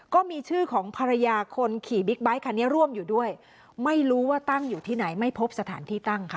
ก็มีชื่อของภรรยาคนขี่บิ๊กไบท์คันนี้ร่วมอยู่ด้วยไม่รู้ว่าตั้งอยู่ที่ไหนไม่พบสถานที่ตั้งค่ะ